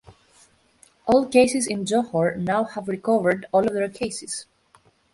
All cases in Johor now have recovered all of their cases.